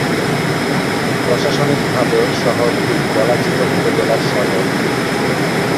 প্রশাসনিকভাবে শহরটি গলাচিপা উপজেলার সদর।